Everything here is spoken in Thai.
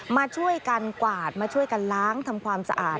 มาช่วยกันกวาดมาช่วยกันล้างทำความสะอาด